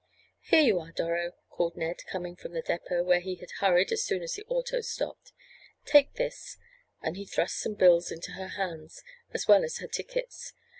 "Here you are, Doro," called Ned, coming from the depot where he had hurried as soon as the auto stopped. "Take this," and he thrust some bills into her hands, as well as her tickets.